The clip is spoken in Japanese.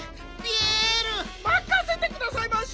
まかせてくださいまし。